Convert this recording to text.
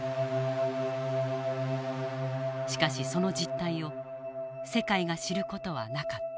しかしその実態を世界が知る事はなかった。